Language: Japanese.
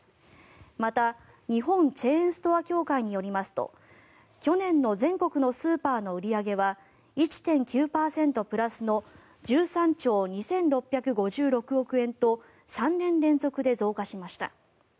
また、日本チェーンストア協会によりますと去年の全国のスーパーの売り上げは１．９％プラスの１３兆２６５６億円と３年連続で増加しました。